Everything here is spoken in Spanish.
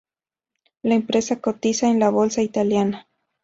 La empresa cotiza en la Bolsa italiana.